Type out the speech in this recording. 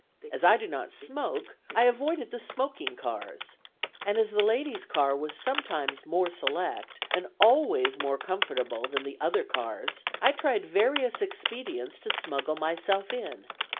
As I do not smoke, I avoided the smoking cars; and as the ladies' car was sometimes more select and always more comfortable than the other cars, I tried various expedients to smuggle myself in.